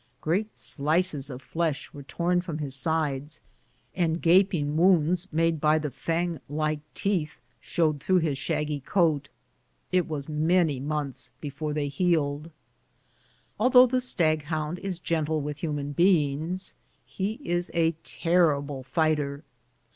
Great slices of flesh were torn from his sides, and gaping wounds made by the fang like teeth showed through his shaggy coat. It was many months before they healed. Though the stag hound is gentle with human beings he is a terrible fighter.